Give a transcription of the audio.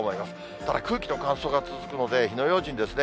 ただ、空気の乾燥が続くので、火の用心ですね。